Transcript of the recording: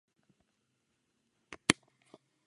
Soud je zprostil viny.